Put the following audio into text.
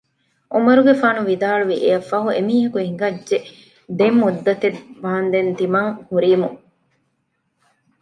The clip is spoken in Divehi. ޢުމަރުގެފާނު ވިދާޅުވި އެއަށް ފަހު އެ މީހަކު ހިނގައްޖެ ދެން މުއްދަތެއް ވާނދެން ތިމަން ހުރީމު